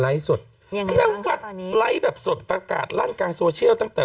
ไลค์สดยังไงตอนนี้ไลค์แบบสดประกาศรั่นกลางโซเชียลตั้งแต่